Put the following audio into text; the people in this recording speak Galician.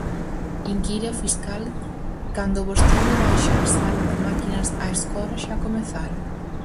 Inquire o fiscal "cando vostede baixa a sala de máquinas, a escora xa comezara?"